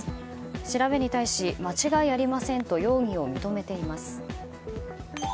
調べに対し、間違いありませんと容疑を認めています。